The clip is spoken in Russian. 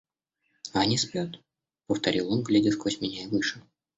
— А они спят, — повторил он, глядя сквозь меня и выше.